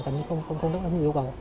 gần như không đúng như yêu cầu